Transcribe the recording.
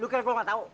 lu kan gua gak tau